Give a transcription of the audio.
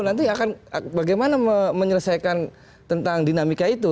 nanti akan bagaimana menyelesaikan tentang dinamika itu